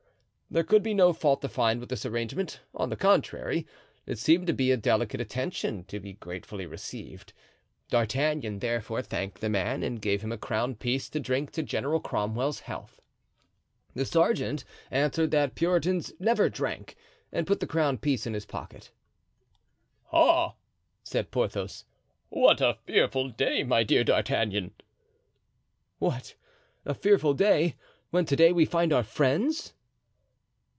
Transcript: There could be no fault to find with this arrangement; on the contrary, it seemed to be a delicate attention, to be gratefully received; D'Artagnan, therefore, thanked the man and gave him a crown piece to drink to General Cromwell's health. The sergeant answered that Puritans never drank, and put the crown piece in his pocket. "Ah!" said Porthos, "what a fearful day, my dear D'Artagnan!" "What! a fearful day, when to day we find our friends?"